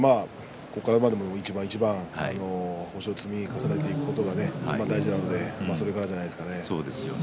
ここから一番一番星を積み重ねていくことが大事なのでそれからじゃないですかね。